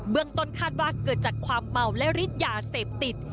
เมืองต้นคาดว่าเกิดจากความเมาและฤทธิ์ยาเสพติด